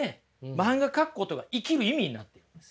漫画描くことが生きる意味になってるんです。